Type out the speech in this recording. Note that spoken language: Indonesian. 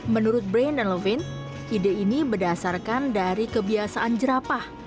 menurut brain dan lovin ide ini berdasarkan dari kebiasaan jerapah